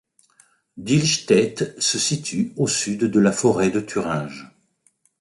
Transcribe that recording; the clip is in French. Dillstädt se situe au sud de la forêt de Thuringe.